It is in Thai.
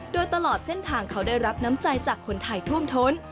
โดยตลอดเส้นทางเขาได้รับน้ำใจจากคนไทยท่วมท้น